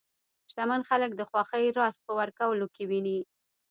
شتمن خلک د خوښۍ راز په ورکولو کې ویني.